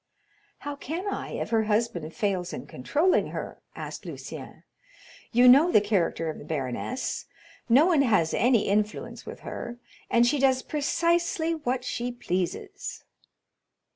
"How can I, if her husband fails in controlling her?" asked Lucien; "you know the character of the baroness—no one has any influence with her, and she does precisely what she pleases."